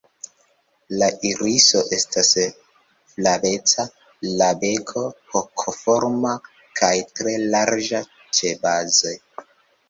La iriso estas flaveca, la beko hokoforma kaj tre larĝa ĉebaze.